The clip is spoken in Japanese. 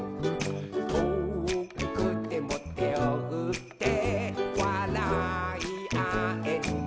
「とおくてもてをふってわらいあえる」